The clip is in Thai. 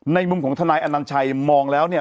มุมของทนายอนัญชัยมองแล้วเนี่ย